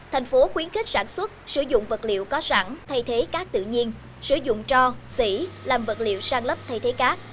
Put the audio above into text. thành phố khuyến khích sản xuất sử dụng vật liệu có sẵn thay thế cát tự nhiên sử dụng cho xỉ làm vật liệu sang lớp thay thế cát